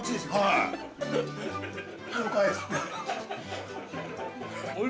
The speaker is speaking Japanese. ◆はい！